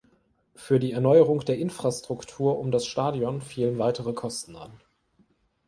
Für die Erneuerung der Infrastruktur um das Stadion fielen weitere Kosten an.